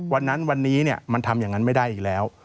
วันนั้นวันนี้มันทำอย่างนั้นไม่ได้อีกแล้ว